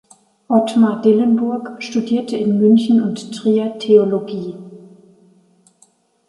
Ottmar Dillenburg studierte in München und Trier Theologie.